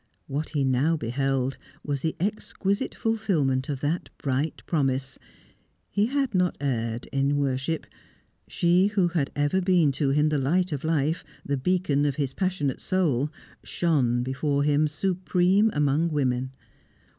What he now beheld was the exquisite fulfilment of that bright promise. He had not erred in worship; she who had ever been to him the light of life, the beacon of his passionate soul, shone before him supreme among women.